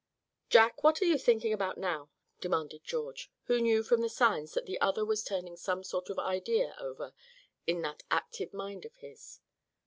"Jack, what are you thinking about now?" demanded George, who knew from the signs that the other was turning some sort of idea over in that active mind of his.